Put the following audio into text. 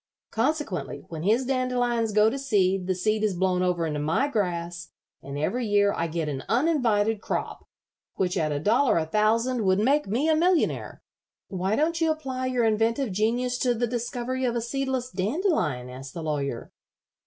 Consequently, when his dandelions go to seed the seed is blown over into my grass, and every year I get an uninvited crop, which at a dollar a thousand would make me a millionaire." "Why don't you apply your inventive genius to the discovery of a seedless dandelion?" asked the Lawyer.